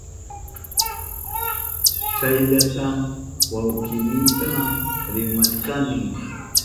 Chayllata wawkiynita rimashkani.